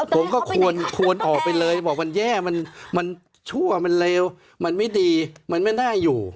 ผมก็ควรออกไปเลยบอกมันแย่มันชั่วมันเลวมันไม่ดีมันไม่น่าอยู่